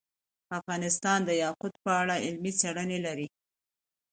افغانستان د یاقوت په اړه علمي څېړنې لري.